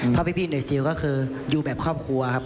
เพราะพี่หน่วยซิลก็คืออยู่แบบครอบครัวครับ